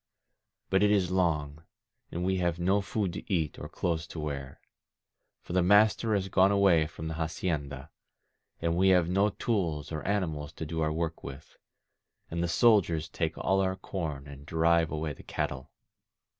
But it is long, and we have no food to eat, or clothes to wear. For the master has gone away from the hacienda, and we have no tools or animals to do our work with, and the soldiers take all our corn and drive away the cattle.